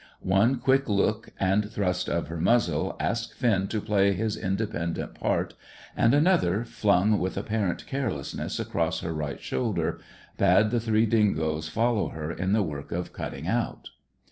One quick look and thrust of her muzzle asked Finn to play his independent part, and another, flung with apparent carelessness across her right shoulder, bade the three dingoes follow her in the work of cutting out.